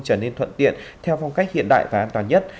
trở nên thuận tiện theo phong cách hiện đại và an toàn nhất